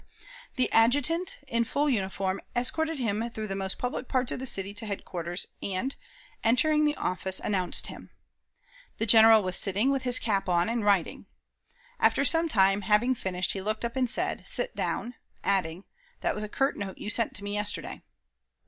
The adjutant, in full uniform, escorted him through the most public parts of the city to headquarters, and, entering the office, announced him. The General was sitting, with his cap on, and writing. After some time, having finished, he looked up and said, "Sit down," adding, "That was a curt note you sent to me yesterday."